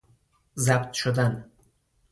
ضبط شدن